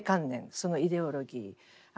そのイデオロギー。